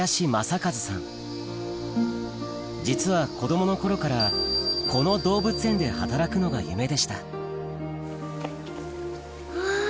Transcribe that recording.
実は子供の頃からこの動物園で働くのが夢でしたうわ